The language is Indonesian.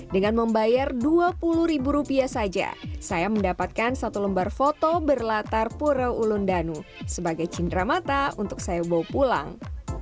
dengan membayar dua puluh ribu rupiah saja saya mendapatkan satu lembar foto berlatar pura ulundanu sebagai cindera mata untuk saya bawa pulang